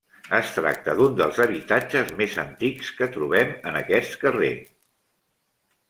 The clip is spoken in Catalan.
Es tracta d'un dels habitatges més antics que trobem en aquest carrer.